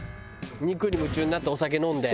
肉に夢中になってお酒飲んで。